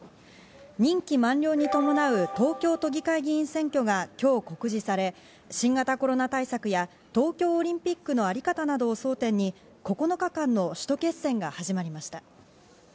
任期満了に伴う東京都議会議員選挙が今日告示され、新型コロナ対策や東京オリンピックのあり方などを争点に９日間の首都決戦が始まりました。